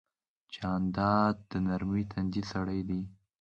جانداد د نرمې تندې سړی دی.